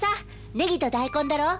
ネギと大根だろ。